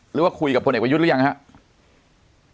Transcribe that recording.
หรือว่าคุยกับพลเอกประยุทธ์หรือยังครับ